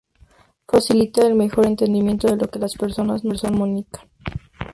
Facilita el mejor entendimiento de lo que las personas nos comunican.